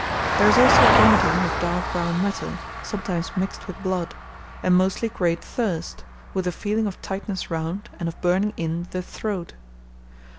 There is also vomiting of dark brown matter, sometimes mixed with blood; and mostly great thirst, with a feeling of tightness round, and of burning in, the throat.